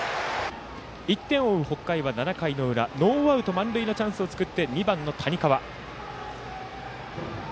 １点を追う北海は７回の裏ノーアウト満塁のチャンスを作って２番の谷川。